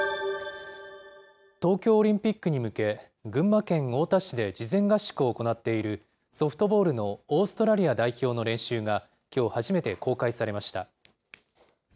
東京オリンピックに向け、群馬県太田市で事前合宿を行っているソフトボールのオーストラリア代表の練習が、きょう初めて公開されました。